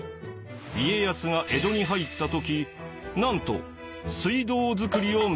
家康が江戸に入った時なんと水道作りを命ぜられたのです。